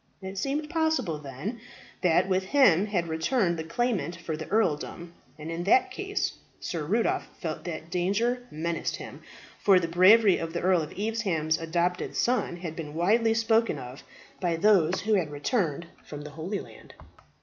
It seemed possible then that with him had returned the claimant for the earldom; and in that case Sir Rudolph felt that danger menaced him, for the bravery of the Earl of Evesham's adopted son had been widely spoken of by those who had returned from the Holy Land.